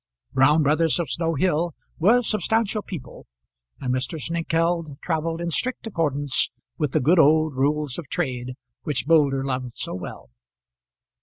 Brown Brothers, of Snow Hill, were substantial people, and Mr. Snengkeld travelled in strict accordance with the good old rules of trade which Moulder loved so well.